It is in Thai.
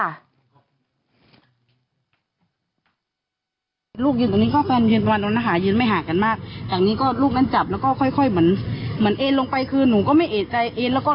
ลูกยืนตรงนี้ก็แฟนยืนประมาณตรงนั้นนะคะยืนไม่หากันมาก